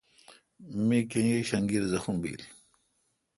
می کنگیݭ انگیر زخم بیل۔